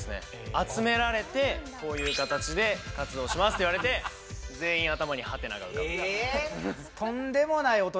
集められて「こういう形で活動します」って言われて全員頭にハテナが浮かんだえ！？